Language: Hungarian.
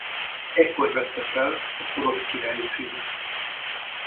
Ekkor vette fel a porosz királyi címet.